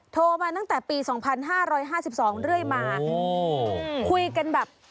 โทรมาตั้งแต่ปีสองพันห้าร้อยห้าสิบสองเรื่อยมาคุยกันแบบ